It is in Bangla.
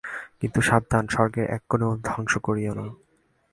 কিন্তু সাবধান, স্বর্গের এক কোণও ধ্বংস করিয়ো না।